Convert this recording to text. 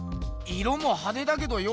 色もはでだけどよ